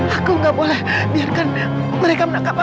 aku gak boleh biarkan mereka menangkap aku